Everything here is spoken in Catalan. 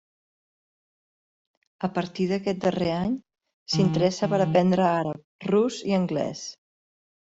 A partir d'aquest darrer any s'interessa per aprendre àrab, rus i anglès.